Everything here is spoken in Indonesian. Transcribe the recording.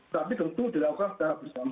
tapi tentu dilakukan secara bersama